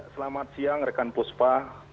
selamat siang rekan puspa